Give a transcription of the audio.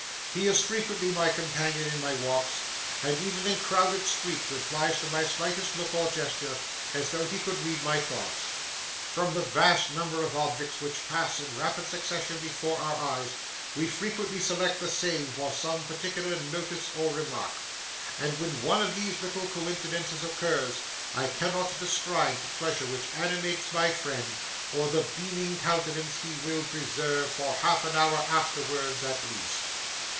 He is frequently my companion in my walks, and even in crowded streets replies to my slightest look or gesture, as though he could read my thoughts. From the vast number of objects which pass in rapid succession before our eyes, we frequently select the same for some particular notice or remark; and when one of these little coincidences occurs, I cannot describe the pleasure which animates my friend, or the beaming countenance he will preserve for half an hour afterwards at least.